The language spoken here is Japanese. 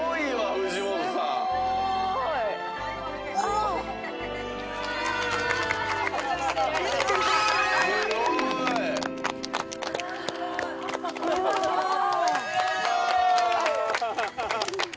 藤本さん」「すごい！」「すごい！」